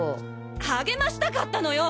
励ましたかったのよ！